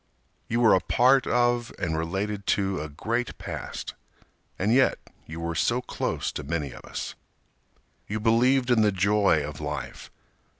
You were a part of and related to a great past, And yet you were so close to many of us. You believed in the joy of life.